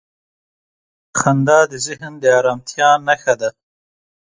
• خندا د ذهن د آرامتیا نښه ده.